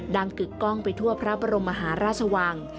กึกกล้องไปทั่วพระบรมมหาราชวัง